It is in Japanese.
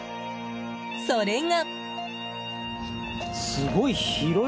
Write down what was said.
それが。